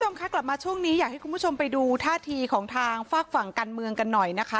คุณผู้ชมคะกลับมาช่วงนี้อยากให้คุณผู้ชมไปดูท่าทีของทางฝากฝั่งการเมืองกันหน่อยนะคะ